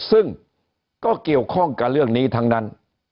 ซึ่งก็เกี่ยวข้องกับเรื่องนี้ทั้งนั้น